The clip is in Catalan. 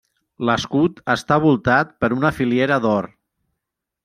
L'escut està voltat per una filiera d'or.